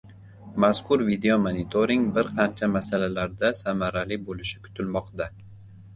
Mazkur videomonitoring bir qancha masalalarda samarali bo‘lishi kutilmoqda